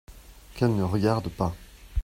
Qu’elles ne regardent pas !